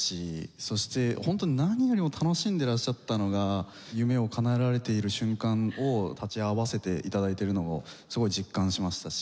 そしてホント何よりも楽しんでいらっしゃったのが夢をかなえられている瞬間を立ち会わせて頂いているのをすごい実感しましたし。